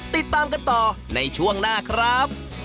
ติดตามกันต่อในช่วงหน้าครับ